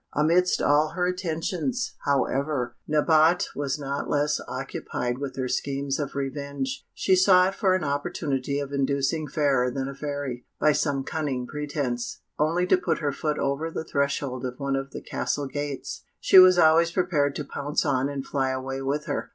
Amidst all her attentions, however, Nabote was not less occupied with her schemes of revenge; she sought for an opportunity of inducing Fairer than a Fairy, by some cunning pretence, only to put her foot over the threshold of one of the castle gates. She was always prepared to pounce on and fly away with her.